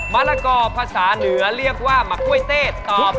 มะละกอภาษาเหนือเรียกว่าหมักกล้วยเต้ตอบ